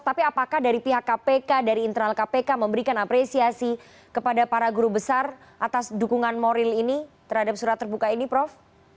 tapi apakah dari pihak kpk dari internal kpk memberikan apresiasi kepada para guru besar atas dukungan moral ini terhadap surat terbuka ini prof